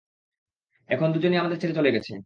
এখন দুজনই আমাদের ছেড়ে চলে গেছে।